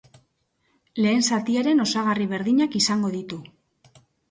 Lehen zatiaren osagarri berdinak izango ditu.